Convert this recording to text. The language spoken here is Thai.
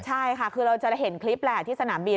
ใช่ค่ะคือเราจะเห็นคลิปแหละที่สนามบิน